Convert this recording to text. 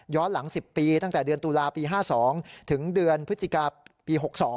หลัง๑๐ปีตั้งแต่เดือนตุลาปี๕๒ถึงเดือนพฤศจิกาปี๖๒